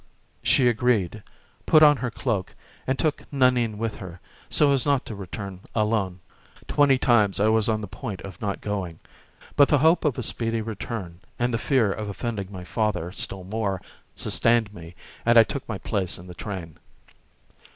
She agreed, put on her cloak and took Nanine with her, so as not to return alone. Twenty times I was on the point of not going. But the hope of a speedy return, and the fear of offending my father still more, sustained me, and I took my place in the train.